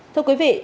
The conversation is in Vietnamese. thưa quý vị